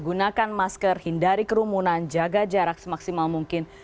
gunakan masker hindari kerumunan jaga jarak semaksimal mungkin